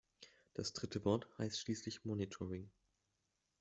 Das dritte Wort heißt schließlich Monitoring.